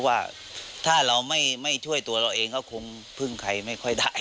ว่าตัวลี่